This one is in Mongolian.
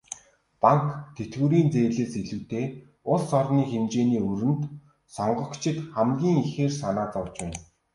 Банк, тэтгэврийн зээлээс илүүтэй улс орны хэмжээний өрөнд сонгогчид хамгийн ихээр санаа зовж байна.